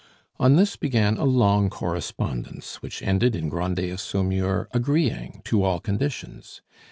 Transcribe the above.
On this began a long correspondence, which ended in Grandet of Saumur agreeing to all conditions.